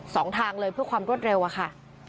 สองทางเลยเพื่อความรวดเร็วอะค่ะ